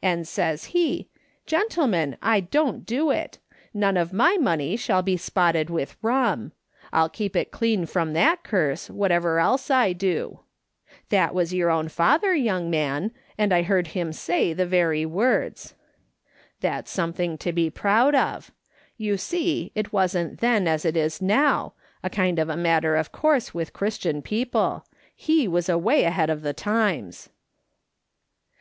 And says he, ' Gentlemen, I d(m't do it ; none of my money shall be spotted with rum. I'll keep it clean from that curse, whatever else I do.' That was your own father, young man, and I heard aSo AfJ!S. SOLO MO if SMITH LOOKING ON. liiiii say tliem very words. That's something to be l)roud of. You see, it wasn't then as it is now, a kind of a matter of course with Christian people ; he was way ahead of the times."